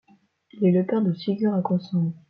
Il est le père de Sigurd Håkonsson.